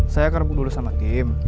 saya akan hubungi dulu sama tim